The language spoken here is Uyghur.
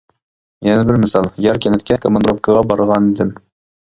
يەنە بىر مىسال، ياركەنتكە كاماندىروپكىغا بارغانىدىم.